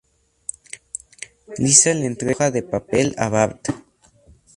Lisa le entrega la hoja de papel a Bart.